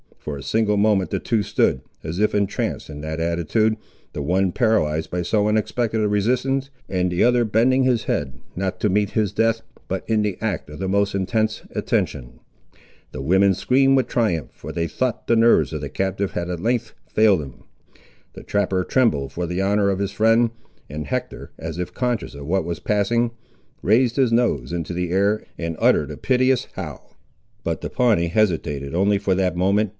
For a single moment the two stood, as if entranced in that attitude, the one paralysed by so unexpected a resistance, and the other bending his head, not to meet his death, but in the act of the most intense attention. The women screamed with triumph, for they thought the nerves of the captive had at length failed him. The trapper trembled for the honour of his friend; and Hector, as if conscious of what was passing, raised his nose into the air, and uttered a piteous howl. But the Pawnee hesitated, only for that moment.